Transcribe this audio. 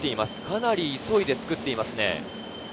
かなり急いで作っていますね。